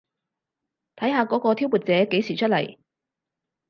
睇下嗰個挑撥者幾時出嚟